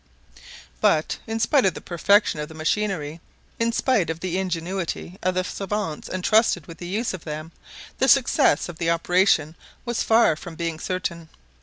But in spite of the perfection of the machinery, in spite of the ingenuity of the savants entrusted with the use of them, the success of the operation was far from being certain.